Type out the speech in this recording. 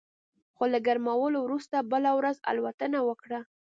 خو له ګرمولو وروسته بله ورځ الوتنه وکړه